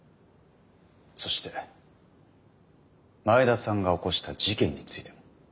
そして前田さんが起こした事件についても。